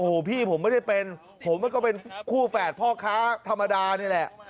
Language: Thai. โอ้โหพี่ผมไม่ได้เป็นผมมันก็เป็นคู่แฝดพ่อค้าธรรมดานี่แหละ